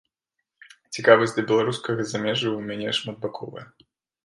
Цікавасць да беларускага замежжа ў мяне шматбаковая.